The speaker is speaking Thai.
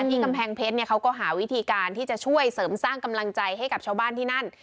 กำแพงเพชรเขาก็หาวิธีการที่จะช่วยเสริมสร้างกำลังใจให้กับชาวบ้านที่นั่น